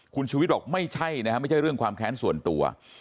คุณชูวิทย์บอกไม่ใช่นะฮะไม่ใช่เรื่องความแค้นส่วนตัว